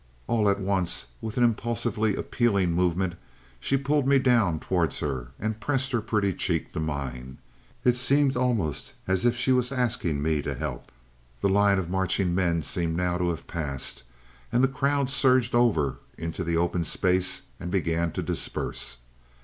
All at once, with an impulsively appealing movement, she pulled me down towards her, and pressed her pretty cheek to mine. It seemed almost as if she was asking me to help. "The line of marching men seemed now to have passed, and the crowd surged over into the open space and began to disperse.